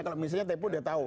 kalau misalnya tepo sudah tahu